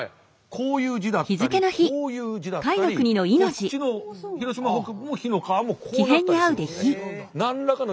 こういう字だったりこういう字だったりこっちの広島北部も火の川もこうなったりするんですね。